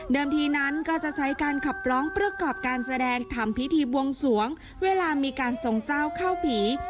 ทีนั้นก็จะใช้การขับร้องประกอบการแสดงทำพิธีบวงสวงเวลามีการทรงเจ้าเข้าผี